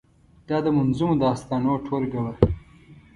دا د منظومو داستانو ټولګه وه.